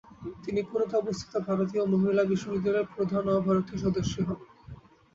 তিনি পুনেতে অবস্থিত ভারতীয় মহিলা বিশ্ববিদ্যালয়ের প্রথম অ-ভারতীয় সদস্য হন।